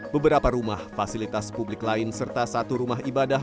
beberapa rumah fasilitas publik lain serta satu rumah ibadah